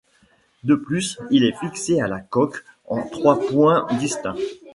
De plus, il est fixé à la coque en trois points distincts.